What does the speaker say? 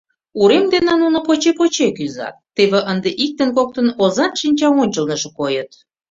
Урем дене нуно поче-поче кӱзат, теве ынде иктын-коктын озан шинча ончылныжо койыт.